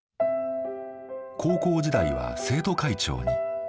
高校時代は生徒会長に。